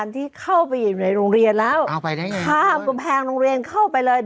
ที่เข้าไปอยู่ในโรงเรียนแล้วเอาไปได้ไงข้ามกำแพงโรงเรียนเข้าไปเลย